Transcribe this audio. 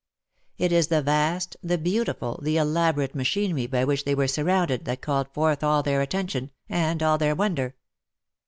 It is the vast, the beautiful, the elaborate machinery by which they were surrounded that called forth all their attention, and all their wonder.